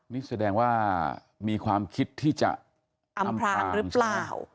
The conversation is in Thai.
นี่แสดงว่ามีความคิดที่จะอำพรางหรือเปล่า